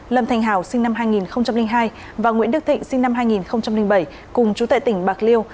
lâm thành hào sinh năm hai nghìn hai và nguyễn đức thịnh sinh năm hai nghìn bảy cùng chú tại tỉnh bạc liêu